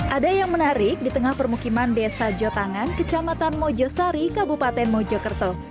ada yang menarik di tengah permukiman desa jotangan kecamatan mojosari kabupaten mojokerto